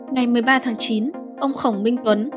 ngày một mươi ba tháng chín ông khổng minh tuấn